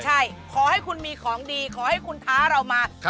ใช่ขอให้คุณมีของดีขอให้คุณท้าเรามา